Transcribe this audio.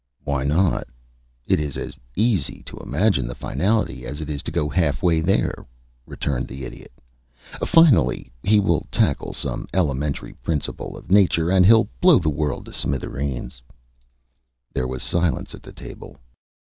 "Why not? It is as easy to imagine the finality as it is to go half way there," returned the Idiot. "Finally he will tackle some elementary principle of nature, and he'll blow the world to smithereens." There was silence at the table.